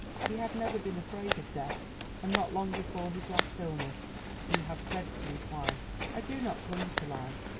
He had never been afraid of death, and not long before his last illness he had said to his wife: "I do not cling to life.